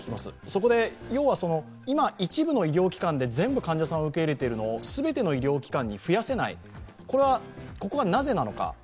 そこで要は、今、一部の医療機関で全部、患者さんを受け入れているのを全ての医療機関に増やせないのはなぜなのか。